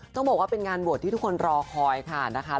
ต้องบอกว่าเป็นงานบวชที่ทุกคนรอคอยค่ะนะคะ